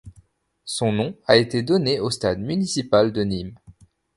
Son nom a été donné au stade municipal de Nîmes.